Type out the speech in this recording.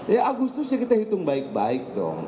ya agustusnya kita hitung baik baik dong